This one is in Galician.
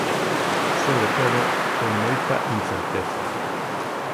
Sobre todo, con moita incerteza.